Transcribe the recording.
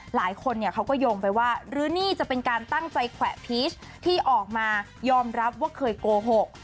หลายคนเขาก็โยงไปว่ารื้อนี่จะเป็นการตั้งใจแขวะพีชที่ออกมายอมรับว่าเคยโกหก